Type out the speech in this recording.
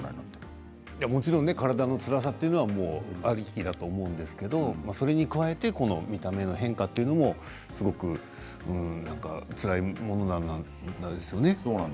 もちろん体のつらさというのは、ありきだと思うんですけどそれに加えてこの見た目の変化というのもすごくつらいものなんですよね。